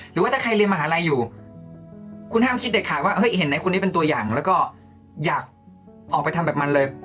หรือว่าถ้าใครเรียนมหาลัยอยู่คุณห้ามคิดเด็ดขาดว่าเฮ้ยเห็นไหนคนนี้เป็นตัวอย่างแล้วก็อยากออกไปทำแบบมันเลย